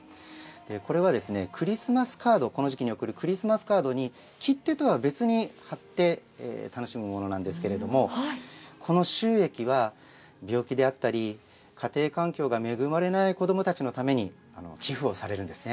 これはクリスマスカード、この時期に贈るクリスマスカードに、切手とは別に貼って楽しむものなんですけれども、この収益は、病気であったり、家庭環境が恵まれない子どもたちのために寄付をされるんですね。